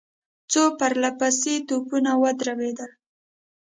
څو پرله پسې توپونه ودربېدل.